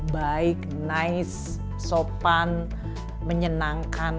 baik nice sopan menyenangkan